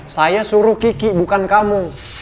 saya suruh kiki bukan kamu